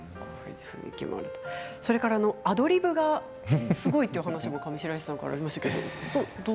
それからアドリブがすごいという話も上白石さんからありましたけど。